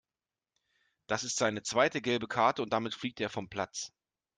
Das ist seine zweite gelbe Karte und damit fliegt er vom Platz.